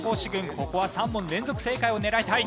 ここは３問連続正解を狙いたい。